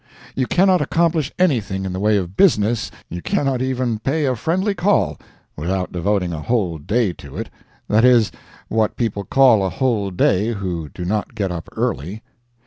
You cannot accomplish anything in the way of business, you cannot even pay a friendly call, without devoting a whole day to it—that is, what people call a whole day who do not get up early.